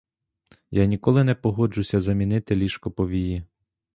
Я ніколи не погоджуся замінити ліжко повії.